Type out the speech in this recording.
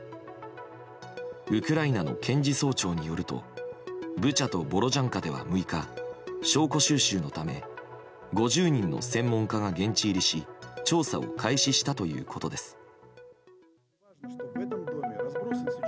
ウクライナの検事総長によるとブチャとボロジャンカでは６日、証拠収集のため５０人の専門家が現地入りし調査を開始したということです。